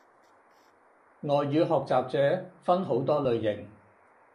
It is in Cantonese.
外語學習者分好多類型